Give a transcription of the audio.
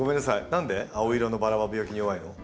何で青色のバラは病気に弱いの？